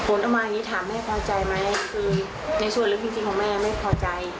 ผลออกมาอย่างนี้ถามแม่พอใจไหมคือในส่วนลึกจริงของแม่ไม่พอใจ